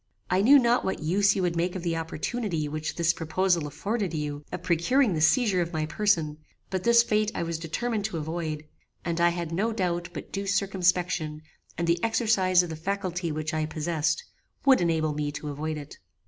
I knew not what use you would make of the opportunity which this proposal afforded you of procuring the seizure of my person; but this fate I was determined to avoid, and I had no doubt but due circumspection, and the exercise of the faculty which I possessed, would enable me to avoid it.